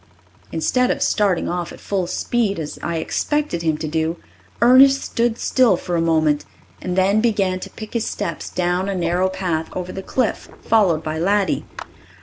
Instead of starting off at full speed, as I expected him to do, Ernest stood still for a moment, and then began to pick his steps down a narrow path over the cliff, followed by Laddie.